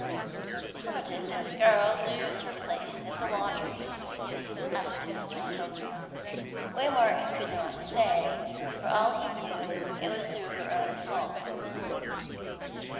"How did this girl lose her place at the laundry?" asked Mr. Helter. Waymark could not say; for all he knew it was through her own fault.